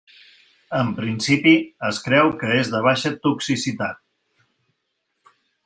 En principi, es creu que és de baixa toxicitat.